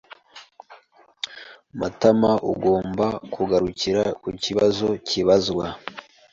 Matamaugomba kugarukira ku kibazo kibazwa